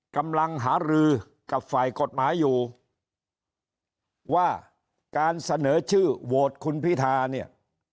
กำลังหารือกับฝ่ายกฎหมายอยู่ว่าการเสนอชื่อโหวตคุณพิธาเนี่ย